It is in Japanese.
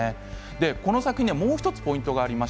この作品もう１つポイントがあります。